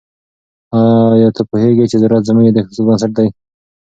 آیا ته پوهیږې چې زراعت زموږ د اقتصاد بنسټ دی؟